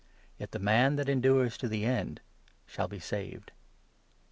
Yet the man that endures to the end shall be saved.